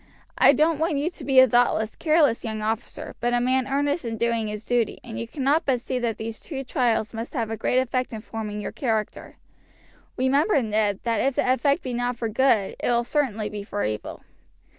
I don't want you to be a thoughtless, careless young officer, but a man earnest in doing his duty, and you cannot but see that these two trials must have a great effect in forming your character. Remember, Ned, that if the effect be not for good, it will certainly be for evil."